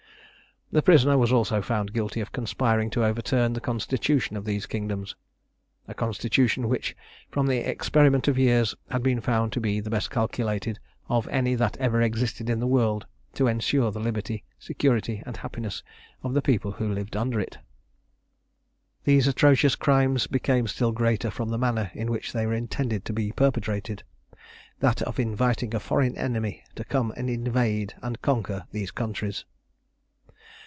The prisoner was also found guilty of conspiring to overturn the constitution of these kingdoms a constitution which, from the experiment of years, had been found to be the best calculated of any that ever existed in the world to ensure the liberty, security, and happiness of the people who lived under it. These atrocious crimes became still greater from the manner in which they were intended to be perpetrated that of inviting a foreign enemy to come and invade and conquer these countries.